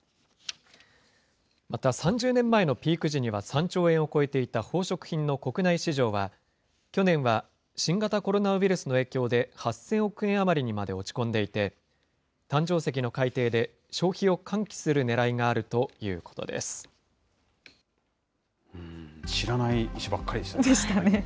また、３０年前のピーク時には３兆円を超えていた宝飾品の国内市場は、去年は新型コロナウイルスの影響で、８０００億円余りにまで落ち込んでいて、誕生石の改定で、消費を喚起するねらいがあるということです。でしたね。